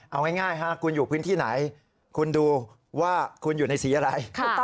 เอาง่ายคุณอยู่พื้นที่ไหนคุณดูว่าคุณอยู่ในสีอะไร